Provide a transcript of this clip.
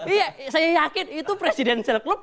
iya saya yakin itu presidential club